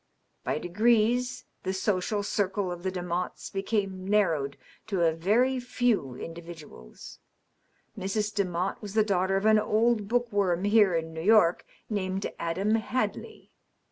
By degrees the social circle of the Demottes became narrowed to a very few individuals. Mrs. Demotte was the daughter of an old bookworm here in New York, named Adam Hadley.